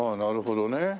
ああなるほどね。